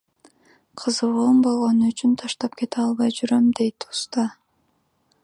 Кызыгуум болгону үчүн таштап кете албай жүрөм, — дейт уста.